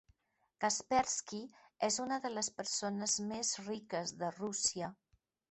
Kaspersky és una de les persones més riques de Rússia.